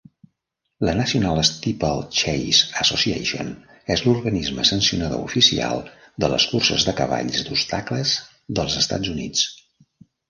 La National Steeplechase Association és l'organisme sancionador oficial de les curses de cavalls d'obstacles dels Estats Units.